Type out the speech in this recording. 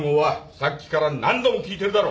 さっきから何度も聞いてるだろ！